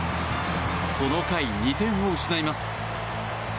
この回２点を失います。